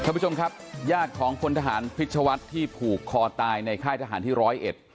ผู้ชมครับญาติของพลทหารพิชวัฒน์ที่ผูกคอตายในค่ายทหารที่ร้อยเอ็ด